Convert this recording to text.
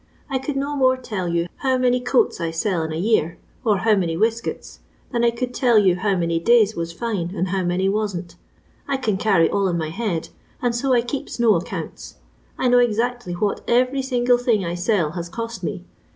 I could no more tell you how many coats I sell in a ear, or how many weskets, than I could tell yon low many days was fine, and how many wasn't. I can carry all in my head, and so I keeps no accounts. I know exactly what every single thing I sell has cost me.